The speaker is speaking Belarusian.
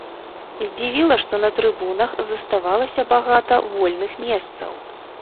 Здзівіла, што на трыбунах заставалася багата вольных месцаў.